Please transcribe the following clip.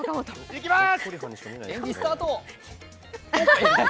いきます！